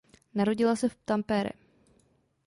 Narodila se v Tampere.